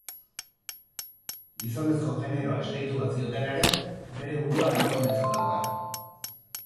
Gizonezko generoa esleitu bazioten ere, bere burua emakumetzat dauka.